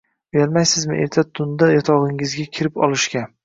Uyalmaysizmi erta kunda yotogʻingizga kirib olishga?